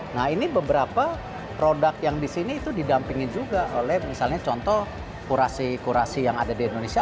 nah ini beberapa produk yang di sini itu didampingi juga oleh misalnya contoh kurasi kurasi yang ada di indonesia